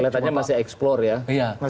keliatannya masih eksplor ya